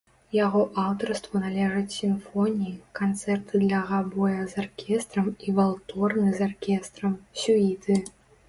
Яго аўтарству належаць сімфоніі, канцэрты для габоя з аркестрам і валторны з аркестрам, сюіты.